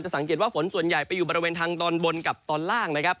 สังเกตว่าฝนส่วนใหญ่ไปอยู่บริเวณทางตอนบนกับตอนล่างนะครับ